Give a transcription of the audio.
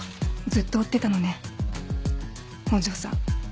ずっと追ってたのね本庄さん。